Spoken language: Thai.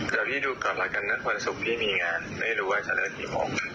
แต่พี่ดูก่อนละกันนะวันสุขพี่มีงานไม่รู้ว่าจะเลือกกี่โมง